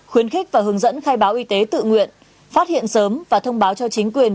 khuyến khích và hướng dẫn khai báo y tế tự nguyện phát hiện sớm và thông báo cho chính quyền